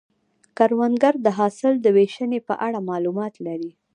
کروندګر د حاصل د ویشنې په اړه معلومات لري